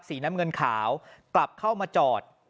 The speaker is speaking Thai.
สีน้ำเงินขาวกลับเข้ามาจอด